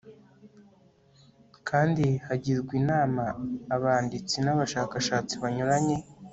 kandi hagirwa inama abanditsi n abashakashatsi banyuranye